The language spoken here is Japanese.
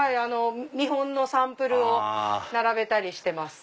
見本のサンプルを並べたりしてます。